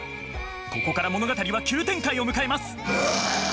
ここから物語は急展開を迎えます。